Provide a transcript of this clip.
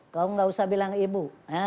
kau nggak usah bilang ibu